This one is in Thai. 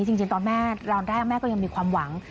จริงตอนแม่ตอนแรกแม่ก็ยังมีความหวัง